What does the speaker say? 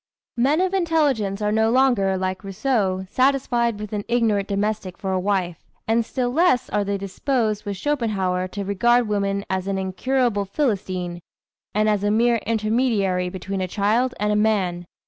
Men of intelligence are no longer, like Rousseau, satisfied with an ignorant domestic for a wife, and still less are they disposed with Schopenhauer to regard woman as an incurable Philistine, and as a mere intermediary between a child and a man.